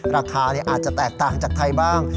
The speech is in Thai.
ราคาอาจจะแตกต่างจากไทยบ้าง